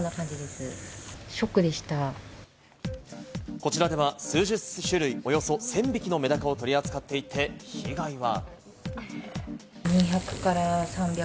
こちらでは数十種類、およそ１０００匹のメダカを取り扱っていて、被害は。